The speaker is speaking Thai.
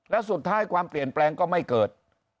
และสุดท้ายความเปลี่ยนแปลงก็ไม่เกิด